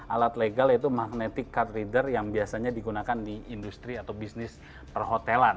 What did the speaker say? alat legal yaitu magnetic card reader yang biasanya digunakan di industri atau bisnis perhotelan